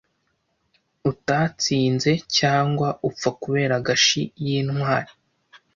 utatsinze cyangwa upfa kubera gashi y'intwari